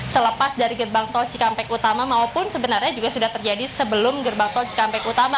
selepas dari gerbang tol cikampek utama maupun sebenarnya juga sudah terjadi sebelum gerbang tol cikampek utama